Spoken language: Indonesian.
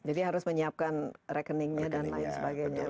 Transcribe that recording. jadi harus menyiapkan rekeningnya dan lain sebagainya